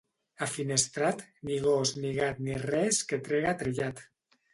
A Finestrat, ni gos ni gat ni res que trega trellat.